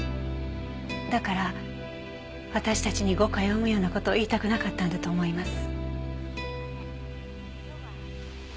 だから私たちに誤解を生むような事を言いたくなかったんだと思います。